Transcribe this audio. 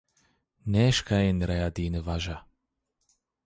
Nêeşkayêne reya dîyine vaja